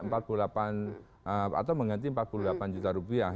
empat tahun sampai empat puluh delapan atau mengganti empat puluh delapan juta rupiah